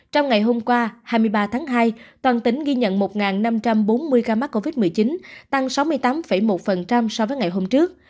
trong ngày hôm qua hai mươi ba tháng hai toàn tỉnh ghi nhận một năm trăm bốn mươi ca mắc covid một mươi chín tăng sáu mươi tám một so với ngày hôm trước